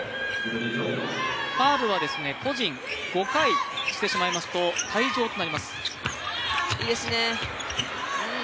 ファウルは個人５回してしまいますと退場となります。